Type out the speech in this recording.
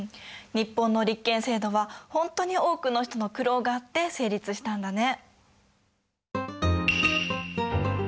日本の立憲制度はほんとに多くの人の苦労があって成立したんだね。